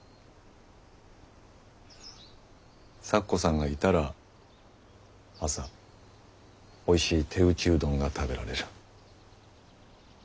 咲子さんがいたら朝おいしい手打ちうどんが食べられる。